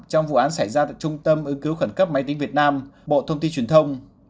trong vụ án xảy ra tại trung tâm ứng cứu khẩn cấp máy tính việt nam bộ thông tin truyền thông